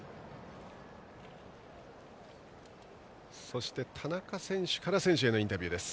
そして、田中選手から選手へのインタビューです。